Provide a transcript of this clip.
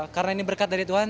karena ini berkat dari tuhan